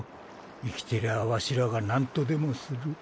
生きてりゃあわしらがなんとでもする。